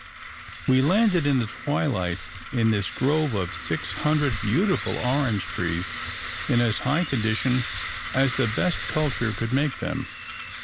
We landed in the twilight in this grove of six hundred beautiful orange trees in as high condition as the best culture could make them.